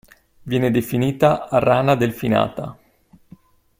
Viene definita "rana delfinata".